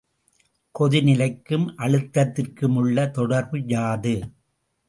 கொதிநிலைக்கும் அழுத்தத்திற்குமுள்ள தொடர்பு யாது?